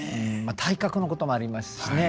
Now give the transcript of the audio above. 体格のこともありますしね。